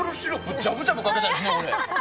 じゃぶじゃぶかけたいですね。